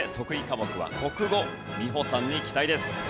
科目は国語美穂さんに期待です。